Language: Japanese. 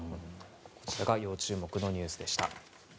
以上注目のニュースでした。